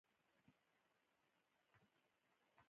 د کار اهل ته نه سپارل خیانت دی.